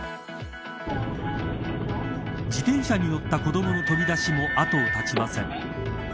自転車に乗った子どもの飛び出しも後を絶ちません。